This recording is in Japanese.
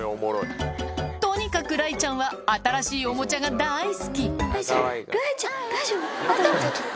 とにかく雷ちゃんは新しいおもちゃが大好き雷ちゃん雷ちゃん。